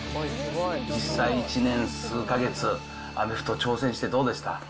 実際、１年数か月、アメフト挑戦してどうでした？